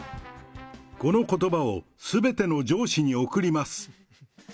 このことばをすべての上司に贈ります。